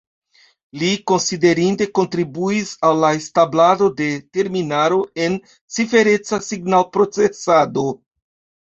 Li konsiderinde kontribuis al la establado de terminaro en cifereca signalprocesado.